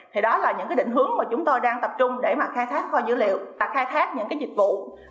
thì đó là những cái định hướng mà chúng tôi đang tập trung để mà khai thác kho dữ liệu và khai thác những cái dịch vụ